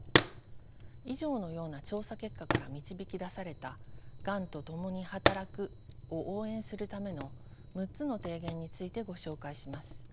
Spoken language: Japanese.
以上のような調査結果から導き出された「がんとともに働く」を応援するための６つの提言についてご紹介します。